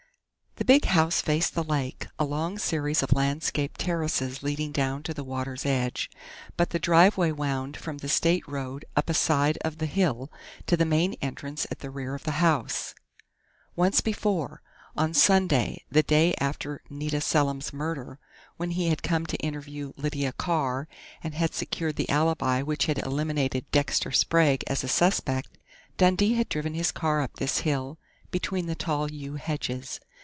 The big house faced the lake, a long series of landscaped terraces leading down to the water's edge, but the driveway wound from the state road up a side of the hill, to the main entrance at the rear of the house. Once before on Sunday, the day after Nita Selim's murder, when he had come to interview Lydia Carr and had secured the alibi which had eliminated Dexter Sprague as a suspect Dundee had driven his car up this hill between the tall yew hedges.